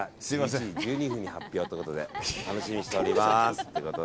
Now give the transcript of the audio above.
１１時１２分に発表ということで楽しみにしております。